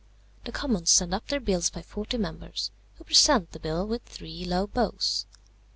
The Commons send up their bills by forty members, who present the bill with three low bows.